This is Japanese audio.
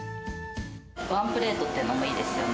ワンプレートっていうのもいいですよね。